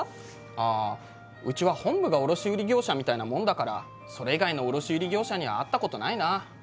ああうちは本部が卸売業者みたいなもんだからそれ以外の卸売業者には会ったことないなあ。